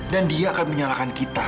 dan dia akan menyalahkan